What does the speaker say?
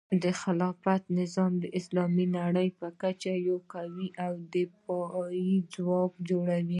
د خلافت نظام د اسلامي نړۍ په کچه یو قوي دفاعي ځواک جوړوي.